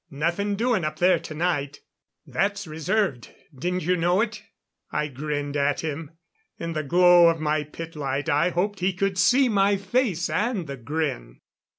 "Nothing doing up there tonight. That's reserved. Didn't you know it?" I grinned at him. In the glow of my pitlight I hoped he could see my face and the grin.